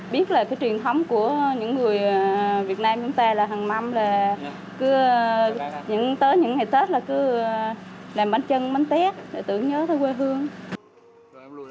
biết là truyền thống của những người việt nam chúng ta là hằng mâm là tới những ngày tết là cứ làm bánh trưng bánh tết để tưởng nhớ thơ quê hương